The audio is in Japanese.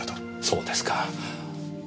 そうですか。